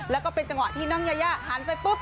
แล้วก็เป็นจังหวะที่น้องยายาหันไปปุ๊บ